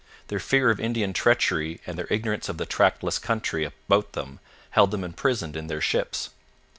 Their fear of Indian treachery and their ignorance of the trackless country about them held them imprisoned in their ships.